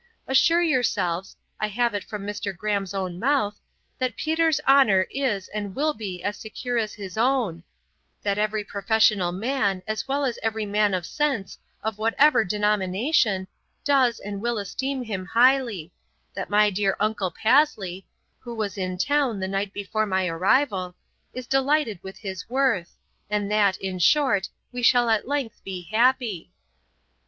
Assure yourselves (I have it from Mr. Graham's own mouth), that Peter's honour is and will be as secure as his own; that every professional man, as well as every man of sense, of whatever denomination, does and will esteem him highly; that my dear uncle Pasley (who was in town the night before my arrival) is delighted with his worth; and that, in short, we shall at length be happy.'